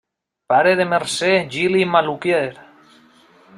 Pare de Mercè Gili i Maluquer.